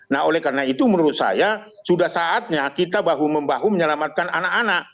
nah oleh karena itu menurut saya sudah saatnya kita bahu membahu menyelamatkan anak anak